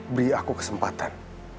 beri aku kesempatan